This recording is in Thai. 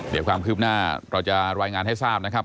เดี๋ยวความคืบหน้าเราจะรายงานให้ทราบนะครับ